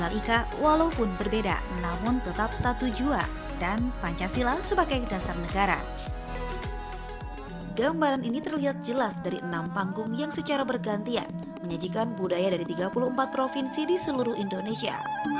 selamat atas terpilihnya dan selamat atas perlantikan bapak presiden republik indonesia